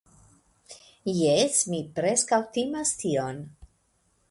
Jes, mi preskaŭ timas tion.